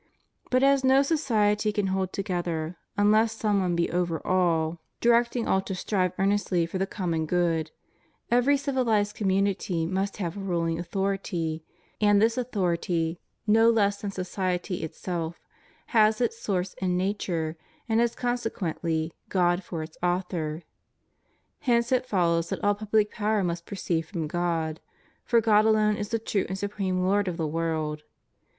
But as no society can hold together unless some one be over all, CHRISTIAN CONSTITUTION OF STATES. 109 directing all to strive earnestly for the common good ; every civilized community must have a ruling authority, and this authority, no less than society itself, has its source in natiire, and has, consequently, God for its author. Hence it follows that all public power must proceed from God. For God alone is the true and supreme Lord of the world.